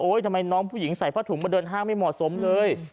ทำไมน้องผู้หญิงใส่ผ้าถุงมาเดินห้างไม่เหมาะสมเลย